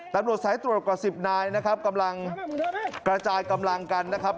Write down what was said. ตำรวจสายตรวจกว่าสิบนายนะครับกำลังกระจายกำลังกันนะครับ